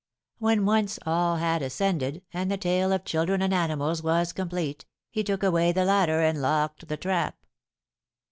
When once all had ascended, and the tale of children and animals was complete, he took away the ladder and locked the trap.